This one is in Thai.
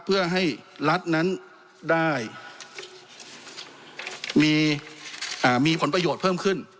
เพื่อให้รัฐนั้นได้มีผลประโยชน์เพิ่มขึ้น